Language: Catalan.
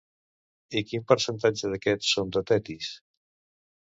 I quin percentatge d'aquests són de Tetis?